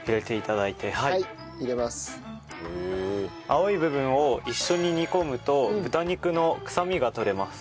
青い部分を一緒に煮込むと豚肉の臭みが取れます。